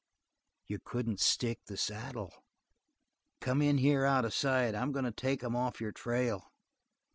"You couldn't stick the saddle. Come in here out of sight; I'm going to take 'em off your trail."